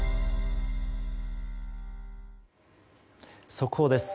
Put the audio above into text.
速報です。